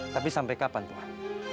tapi sampai kapan tuan